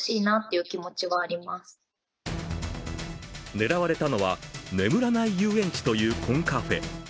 狙われたのは眠らない遊園地というコンカフェ。